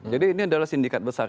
jadi ini adalah sindikat besar